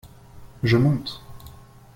Je monte.